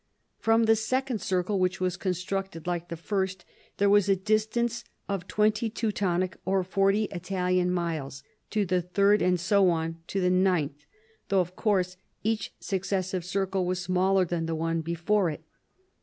From the second circle, which was constructed like the first, there was a distance of twenty Teutonic or forty Italian miles to the third, and so on to the ninth, though [of course], each successive circle was smaller than the one be fore it.